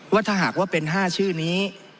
ว่าถ้าหากว่าเป็น๕ชื่อนี้